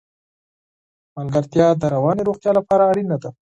ملګرتیا د رواني روغتیا لپاره اړینه ده.